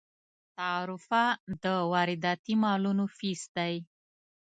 تعرفه د وارداتي مالونو فیس دی.